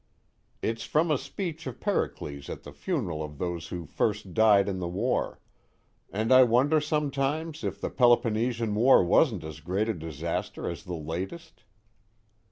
"It's from a speech of Pericles at the funeral of those who first died in the war and I wonder sometimes if the Peloponnesian War wasn't as great a disaster as the latest?